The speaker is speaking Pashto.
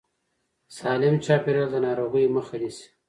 سالم چاپېريال د ناروغیو مخه نیسي.